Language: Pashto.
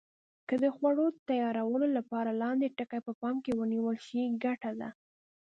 که د خوړو تیارولو لپاره لاندې ټکي په پام کې ونیول شي ګټه ده.